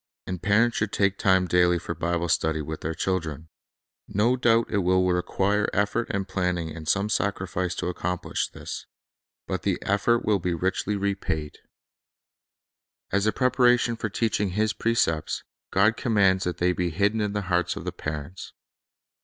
And parents should take time daily for Bible study with their children. No doubt it will require effort and planning and some sacrifice . to accomplish this; but the effort will be richly repaid. 1 Deut. 6:7. B ib Ic Te a ch i ng a n </ St u dy 187 As a preparation for teaching His precepts, God commands that they be hidden in the hearts of the parents.